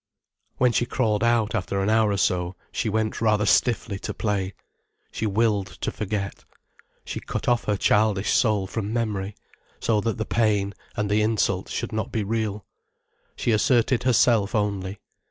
When she crawled out, after an hour or so, she went rather stiffly to play. She willed to forget. She cut off her childish soul from memory, so that the pain, and the insult should not be real. She asserted herself only.